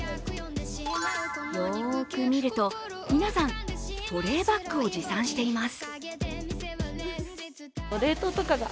よく見ると、皆さん保冷バッグを持参しています。